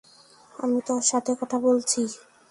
আমি তোর সাথে কথা বলছি।